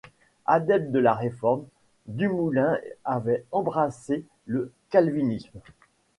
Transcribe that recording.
Adepte de la Réforme, Dumoulin avait embrassé le calvinisme.